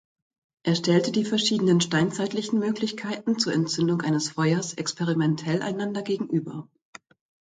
Er stellte die verschiedenen steinzeitlichen Möglichkeiten zur Entzündung eines Feuers experimentell einander gegenüber.